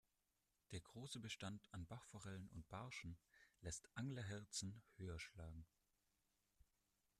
Der große Bestand an Bachforellen und Barschen lässt Anglerherzen höher schlagen.